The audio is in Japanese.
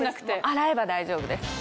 洗えば大丈夫です。